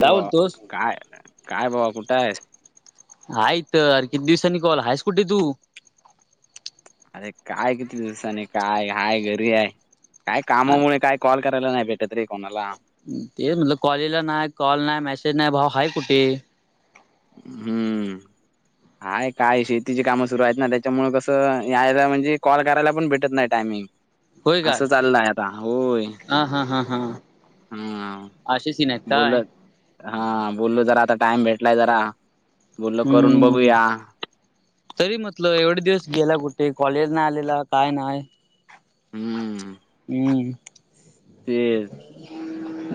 ते काय बाबा बोलतोस? काय काय बाबा कुठं आहे आहे तरर किती दिवसांनी कॉल आहेाय स्कुटी तू अरे काय किती दिवसानी काय हाय घरी आहेय काय कामामुळे काय कॉल करायला नाही भेटतरी कोणाला ते म्हटलं कॉलला नाही कॉल नाही मेसेज नाही भाऊ ह कुठे हम्म हय काय शेतीची कामं सुरू आहेत ना. त्याच्यामुळे कसं, यायला म्हणजे कॉल करायला पण भेटत नाही टायमिंग. होय काय असं चाललंय आता होय हा हा हा हा हम्म असे सीन आहेत काय बोलत हा बोललू जरा आता टाइम भेटलाय जरा बोललो करून हम्म बघूया तरी म्हटलं एवढे दिवस गेला कुठे कॉलेज नाही आलेला काय नाही हम्म तेज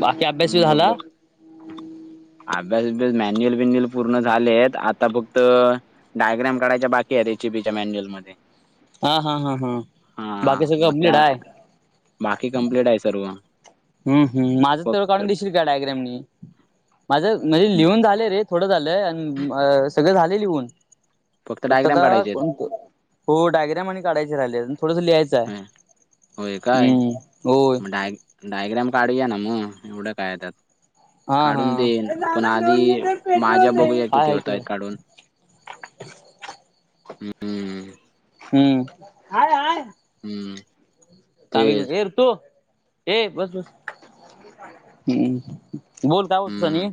बाकी अभ्यास बी हम्म झाला बोललो अभ्यास अभ्यास मॅन्युअल बेन्युल पूर्ण झालेत आता फक्त डायग्राम काढायच्या बाकी आहे रेसिपीच्या मॅन्युअल मध्ये हा हा हा हा. हा बाकी सगळं मग कंप्लीट त्या आहे बाकी कम्प्लीट आहे सर्व हम्म हम माझं तें फक्त काढून दिशील काय डायग्राम म माझं म्हणजे लिहून झाले रे थोडं झालंय आणि सगळं झाले लिहून फक्त एक डायग्राम काढायचे आहेत कोणत हो डायग्र्याम आणि काढायचे राहिले थोडंस लियचं हं, होय आहे काय हम्म होय मग डाय डायग्राम काढूया ना मग एवढं काय त्या हा हा दादा दोन लिटर माझ्या पेट्रोल दे बघूया किती ह होत त आहेत काढून हम्म हम्मयय हम्म तेच र तो ए बस बस हम् बोल काय हो हम्म तसानी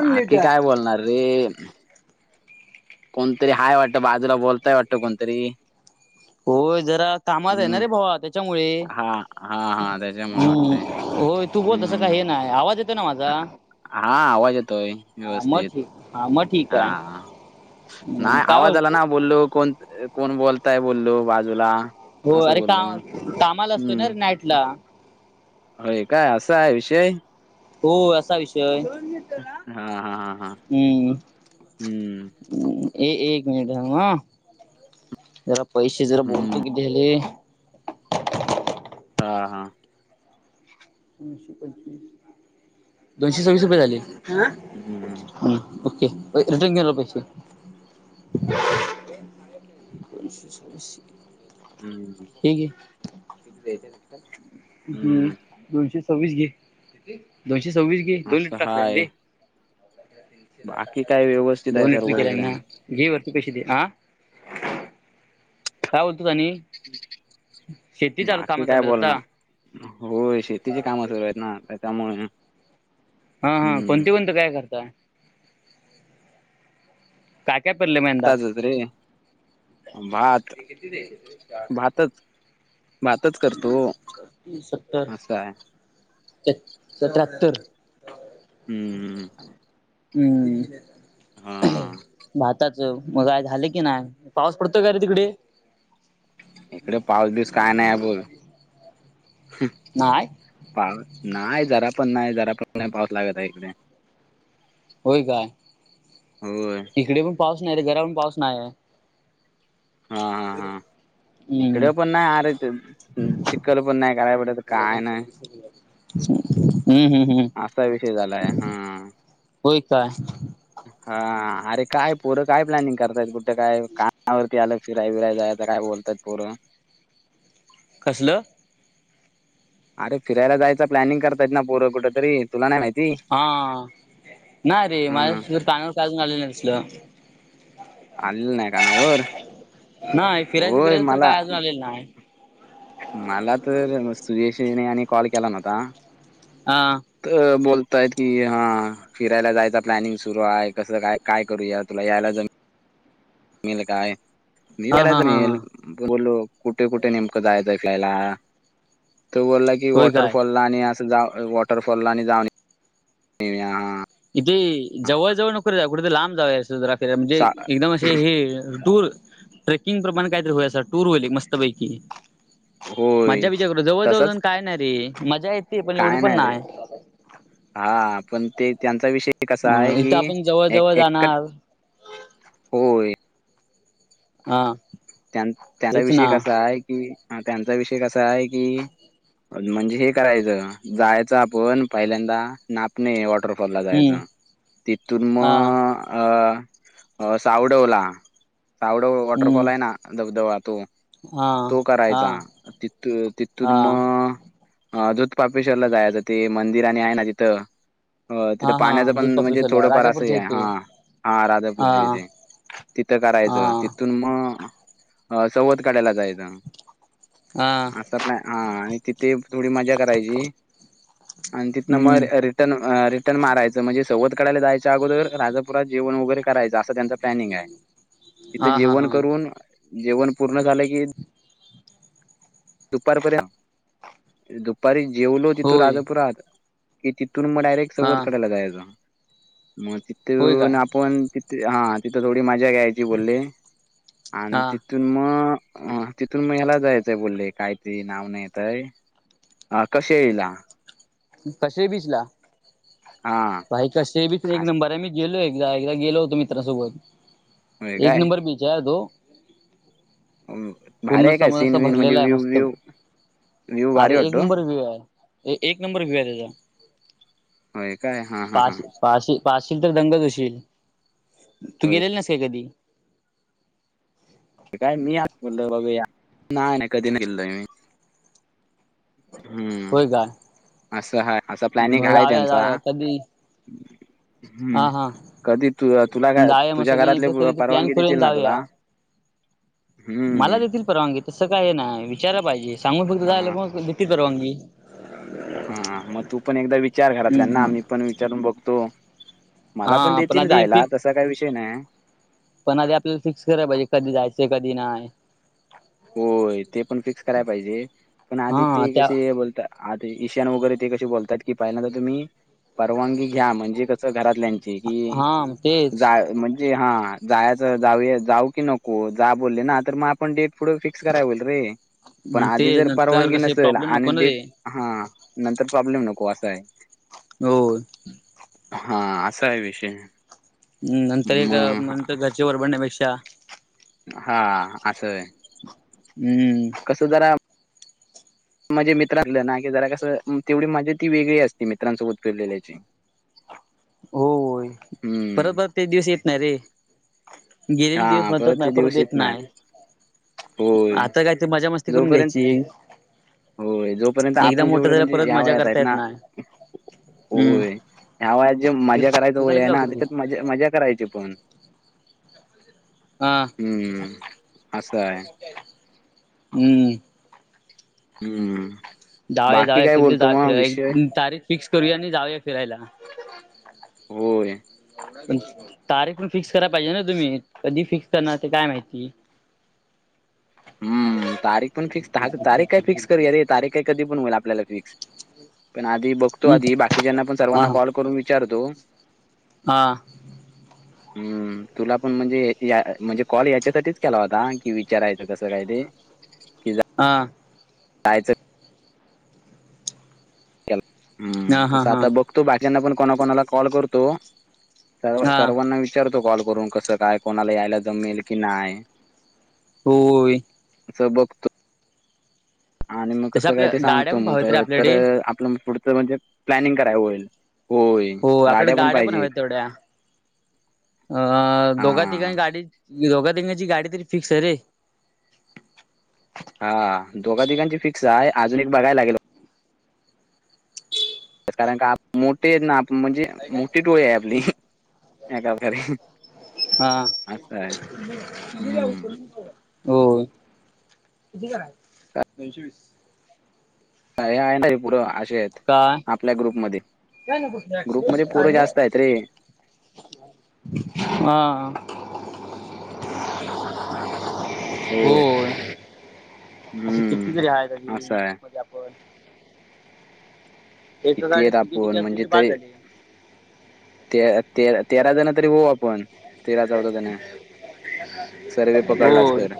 बाकी काय बोलणार रे कोणतरी हय वाटतं बाजूला बोलताय वाटतं कोणतरी होय जरा कामाात आहे ना हम्म रे भावा त्याच्यामुळे हा हा हा त्याच्यामुळे हम्म वाटतय होय तू बोल तसं हम्म काही हे नाही आवाज येत हा आवाज येतोय हा मग व्यवस्थित ठीक हा मग ठीक हा आहे. हम्म नाही काय आवाज आला बोलतो ना बोललू कोण कोण बोलताय बोललू बाजूला हो असं अरे बोललो काम कामाला असतोय ना हम्म ररे नाईट ला होय काय असा आहे विषय हो असा विषय हा हा हा हा हम्म हम्म एक एक मनिट झा ह जरा पैसे जरा हम्म बोलतो किती झाले हा हा दोनशे पंचवीस दोनशे सव्वीस रुपये झाले हम्म हा ओके रिटर्न के्याला पहिक्षा परश स हम् ह ह. हे घे हम्म दोनशे सव्वीस घे. दोनशे सव्वीस गे दोन लिटर असं टाकले हाय ते बाकी काय व्यवस्थित आहे सर्व इकड. घी वर्तीपेशीित ह. काय बोलतो कानी शेती चालू काम बाकी काय चालूत बोलणार आता होय शेतीची कामं सुरू आहेत ना त्याच्यामुळे हा हा हम्म कोणती कोणत काय करताय. कायक्या पल्ले म एदा रे. भात भातच. भातच करतो असं आहे. एक स त्र्याहत्तर हम्म. हम्म हा भातात. मग काय झाले की नाही पाऊस पडतोय का रे तिकडे इकडे पाऊस दिवस काय नाही बोल. नाही पाऊस नाही जरा पण नाही जरा पण नाही पाऊस लागत आहे इकडे. होय काय? हो. इकडे पण पाऊस नाही तर घरा पण पाऊस नाही. ह. इकडेे पना आर चकल पनाय खराई पडत कायन ह. हम् हम हम. असा विषय झालाय हा. होय काय? हा अरे काय परं काय प्लॅनिंग करताय बुठं काय कामावरती आलग फिराय फिराय जायच काय बोलत. तत्पूर्व कसलं? अरे फिरायला जायचं प्लॅनिंग करतात ना पोर कुठेतरी तुला नाही माहित. हा नाही रे हा. माझ्या पानावर कालून आलेलं असल. आलेलं नाही कानावर नाही फिरायचे होय फिरायचे तर मला काय अजून आलेले नाही. मला तर सुयेशने यांनी कॉल केला नव्हता. हा. अ बोलतायत की हा. फिरायला जायचा प्लॅनिंग सुरू आहे कसं काय काय करूया तुला यायला. मेल हा कायवला हा हा हा बोलू कुठे कुठे नेमकं जाय दखलायला तो बोलला. कि होय काय वॉटरफॉल ला आणि अस जा वॉटरफॉल ला जाऊन इथे जवळ जवळ नोक जा कुठेेतरी लांब जा अस जरा फेरा म्हणजे सा एकदम हे टूर ट्रेकिंग प्रमाण काहीतरी होया टूर होईल मस्त पैकी होय मजा विचार करू जवळजवळ जाऊ तसच काय नाही रे मजा येते पण एवढी काय पण रे नाही. हा पण ते त्यांचा विषय कसा म आहे की इथं आपण जवळ एक जवळ एक जाणार हो. हा. त्यां त्यांचा तेच विषय ना कसा आहे की त्यांचा विषय कसा आहे की म्हणजे हे करायचं जायचं आपण पहिल्यांदा ना. णे वॉटरफॉल ला हम्म जायचं तिथून हा मग अ अ सावडवला सावडव हम्म वॉटरफॉल आहे ना ज जव तो हा तो हा करायचा तिथ तिथून हा मग ह जुधपापेश्वरला जायचं ते मंदिर आणि आहे ना तिथं तिथं हा हा पाण्याचं दूध पण म्हणजे पापेश्वरला थोडंफार असंही राजापूरच्या आहे इथे हा हा राधापूरच्या इथे तिथं हा करायचं तिथून मग चवध काढायला जायचं हा असा हा आणि तिथे थोडी मजा करायची आणि तिथनं म हम्म रि रिटर्न मारायं म्हणजे सवत कडयला जायच्यागोदर राजापुात जेवण वगैरे करायचं असं त्यांच प्लॅनिंग आहे तिथे हा हा हा जेवण करून जेवण पूर्ण झालं की दुपारपर्यंत दुपारी जेवलो तिथू होय राजापुरात कि तिथून मग डायरेक्ट हा चवत कढायला जायच मग होय काय तिथून आपण हा तिथं थोडी मजा घ्यायची बोलली आणि हा ति तिथून मग तिथून म ह्याला जायचंय बोलले काहीतरी नाव नाही येतय अ कसे येईला कसे बिचला हा बाई कसे बीच एक नंबर आहे मी गेलो एकदा एकदा गेलो होतो होय मित्रांासोबत एक काय नंबर बीच जयडो भारी पूर्ण आहे काय समज सीन असा विन म्हणजे भरलेला आहे व्ह्यू मस्त व्यू व्ह्यू भारी अरे एक वाटतो नंबर आहे एक नंबर भिया त्याचा होय काय हा हा हा पाशी पाश पाशील तर दंगच होशील तू होय गेलेल नस काय कधी काय मी बोलल बाबा नाही नाही कधी नाही गेलोय मी हम्म होय का असं ह असं प्लॅनिंग मग हाय जाऊया त्यांचा जाऊया कधी हम्म हा हा कधी तु तुला जाऊया मग तुझ्या सगळे घरातले एकदा कधी प्लॅन परवानगी करून देतील ना जाऊया तुला हम्म मला देतील परवानगी तसं काय ना विचारा पाहिजे सांगून फक्त झालं हा मग देतील परवानगी हा मग तू पण एकदा विचार घरातल्याना हम्म मी पण विचारून बघतो मला पण हा देतील आधी जायला फिक्स तसा काही विषय नाही पण आधी आपल्याला फिक्स कराय पाहिजे कधी जायचें कधी नाही होय ते पण फिक्स करायला पाहिजे पण आधी हा ते त्या कसे बोलतात आता ईशान वगैरे ते कसे बोलतात की पहिलं तर तुम्ही परवानगी घ्या म्हणजे कसं घरातल्या की हा तेच जा म्हणजे हा जायच जाऊ जाऊ की नको जा बोलले ना तर मग आपण डेट पुढे फिक् फिक्स करा होईल रे पण आधी तेच जर नंतर परवानगी कसे नसेल प्रॉब्लेम आणि नको ना डेट रे हा नंतर प्रॉब्लेम नको असा आहे हो हा असा आहे विषय हम् नंतर एक मग म्हर घरच्या वरबडण्यापेक्षा हा असं आहे हम्म कधरा म्हणजे मित्रांलं ना की जरा कसं तेवढी माझी ती वेगळी असती मित्रांसोबत फिरलेल्याची हो परत हम्म परत ते दिवस येत नाही रे गेले हा दिवस मत ते परत दिवस येत देत नाहीत नाही होय आता काय तर मजा मस्ती करून जोपर्यंत घ्यायची होय जोपर्यंत एकदा आपण मोठं जेवढे झालं म्हणजे परत या मजा वयात हायत करता येत ना नाही हम्म होय. ह्या वयात जे मजा करायचं तुझाला वय केला ना होत त्याच्यात मज मजा करायची पण. हा हम्म असं आहे हम्म. हम्म. जाऊ बाकी जाऊया काय कध बोलतो जा मग विषय फि तारीख फिक्स करूया आणि जाऊया फिरायला. होय. पण तारीख पण फिक्स कराला पाहिजे ना तुम्ही कधी फिक्स करणार ते काय माहिती? हम्म तारीख पण फिक्स ताख तारीख काय फिक्स करूया रे. तारीख काय कधी पण होईल आपल्याला फिक्स पण आधी बघ बघतो हम् आधी बाकीच्याना पण हा सर्वांना कॉल करून विचारतो. हा. हम्. हम् तुला पण म्हणजे या म्हणजे कॉल याच्यासाठीच केला होता कि विचारायचं कसं काय ते? हा कायच? हम्म हा हा तस हा आता बघतो बाकीना पण कोणाकणाला कॉल करतो. सर् हा सर्वांना विचारतो कॉल करून कसं काय कोणाला यायला जमेल कि नाय? होय. च बघतो. आणि मग तसं कसं काय आपल्या ते गाड्या सांगतो पण मग हव्यात रे तर आपल्याकडे आपलं पुढच म्हणजे प्लॅनिंग कराय होईल होय. हो आपल्या गाड्या पण हव्या तेवढ्या अ हा दोघ तिकाणी गाडी दोघा देंगची गाडी तरी फिक्स आहे रे. हा दोघा तिघांची फिक्स आहे अजून एक बघाला लागेल. कारण का मोठे हेत ना म्हणजे मोठी टोळी आहे आपली या प्रकारे हा असं आहे हम्म [unintelligible] हो कितीला दोनशे वीस. [unintelligible] चेत काय -आपल्या ग्रुप मध्ये ग्रुप मध्ये पोर जास्त आहेत रे. हा आ. [inaudible] होय. असे हम्म कितीतरी आहे आधी असं आहे ग्रुप मध्ये एका किती गाडीत आहेत तिके आपण तिगे असली म्हणजे तरी बास झाले. ते ते तेरा जण तरी होऊ आपण. तेरा चौदा जन सर्वे पकडलास होय तर.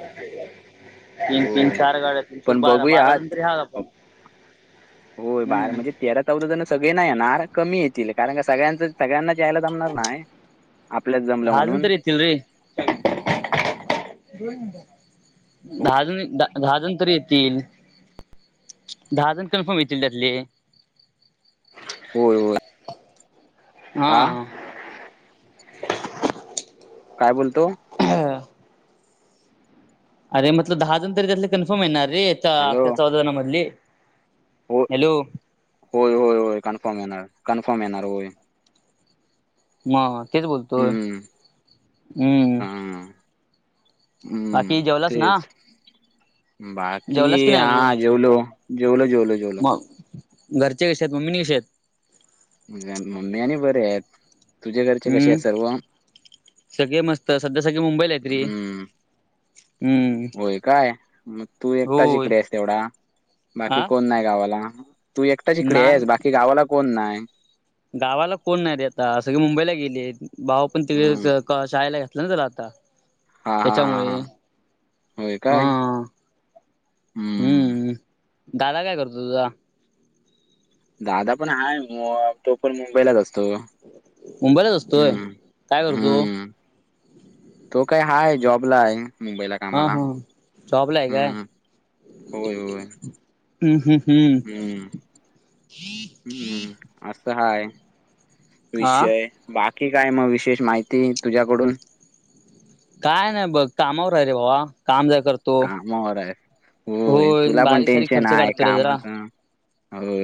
तीन तीन होय चार गाड्या तीन चोक पण बारा बघूया बारा जण तरी हाय आपण होय बाहेर हम्म म्हणजे तेरा चौदा जण सगळे नाही येणार कमी येतील कारण का सगळ्यांच सगळ्यांनाच यायला जमणार न्हाय. आपल्यात जमलं म्हणून. [unintelligible] [inaudible] [unintelligible] दहा जण द दहा जण तरी येतील. दहा जण कन्फर्म येतील त्यातले. होय होय. हा. काय बोलतो? [unintelligible] अरे मटल दहा जण तरी त्यातले कन्फर्म येणार रे हॅलो अक्या चौदा जणा मधली. हो हॅलो. होय होय होय कन्फर्म येणार कन्फर्म येणार होय म तेच बोलतोय हम्म हम्म हा हम्म बाकी जेवलास ना तेच बाकी जेवलास की नाही अजून हा जेवलो जेवलो जेवलो जेवलो. घरच्या कष आहेत मम्मीनी कशी आहेत. म्हणजे मम्मी आणि बरे आहेत. तुझे घरचे कसे हम्म आहेत सर्व सगळे मस्त सध्या सगळे मुंबईला आहेत रे हम्म हम्म होय काय मग तू एकटाच होय इकडे आहे तेवढा बाकी आ कोण नाही गावाला तू एकटा श इिकडे आहेस नाही बाकी गावाला कोण नाही. गावाला कोण नाही रे आता सगळे मुंबईला गेले भाऊ पण त हम्म शाळेला. लजलाता. हा हा हा त्याच्यामुळे हा होय हा काय हम्म हम्मम. दादा काय करतो तुझा दादा पण हाय तो पण मुंबईलाच असतो. मुंबईलाच असतोय हम्म काय करतो. हम्म तो काय हाय जॉबला आहे. मुंबईला हा कामाला हा जॉबला आहे काय हम् होय होय. हम्म हम् हम्म हम्म हम्म असं हाय हा विषय बाकी काय मग विशेष माहिती तुझ्याकडून काय नाही बघ कामावर आहे रे बाबा काम जाय करतो. त कामावर आहे हो होय तुला पण बारीक सारीक टेन्शन खर्च आहे काढतो रे जरा कामाचं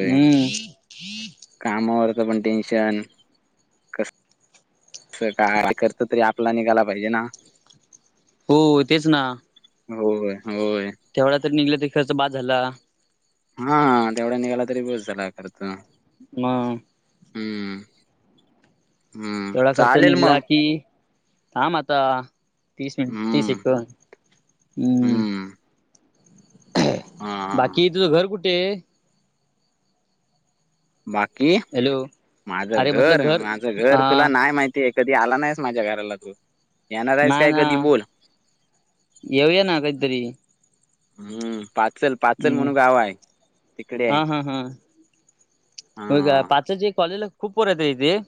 हम्म कामावरच पण टेन्शन अस काय करत तरी आपला निघायला पाहिजे ना हो तेच ना होय होय. तेवढा तररी निघलं तरी खर्च बाद झाला. हा हा तेवढा निघाला तरी बस झाला खर तर ह हम्म हम्म तेवढा खर्च चालेल निघला मग की ह मता तीस मिट हम्म तीसिक हम्म. हम्म हा हा. बाकी तुझं घर कुठे आहे. बाकी हॅलो माझं अरे म्हटलं घर माझं घर हा तुला नाही माहिती ते कधी आला नाहीस माझ्या घराला तू येणार आहेस नाही काय ना कधी बोल येऊया ना काहीतरी हम्म पाचल पाचल हम्म. म्हणून गाव आहे तिकडे आहे. हो का हा पाच ज कॉलेजला खूप पयत आहे तेे